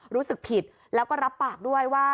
รู้สึกผิดแล้วก็รับปากด้วยว่า